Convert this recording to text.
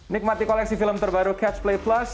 nikmati koleksi film terbaru catch play plus